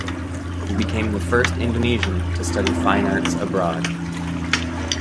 He became the first Indonesian to study fine arts abroad.